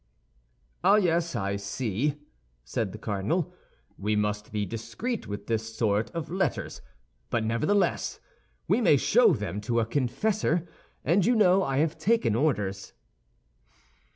"Ah, yes, I see," said the cardinal; "we must be discreet with this sort of letters; but nevertheless, we may show them to a confessor, and you know I have taken orders."